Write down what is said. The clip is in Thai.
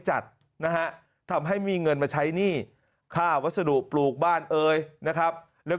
จัดนะฮะทำให้มีเงินมาใช้หนี้ค่าวัสดุปลูกบ้านเอ่ยนะครับแล้ว